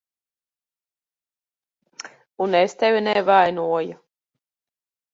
Un es tevi nevainoju.